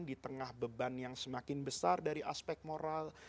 di tengah beban yang semakin besar dari aspek moral